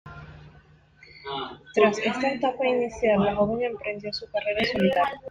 Tras esta etapa inicial, la joven emprendió su carrera en solitario.